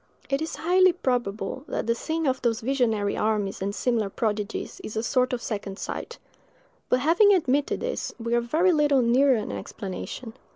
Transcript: It is highly probable that the seeing of those visionary armies and similar prodigies is a sort of second sight; but having admitted this, we are very little nearer an explanation.